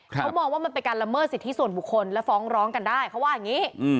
เขามองว่ามันเป็นการละเมิดสิทธิส่วนบุคคลและฟ้องร้องกันได้เขาว่าอย่างนี้